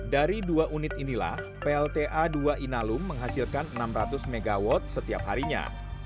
dari dua unit inilah plta dua inalum menghasilkan enam ratus mw setiap harinya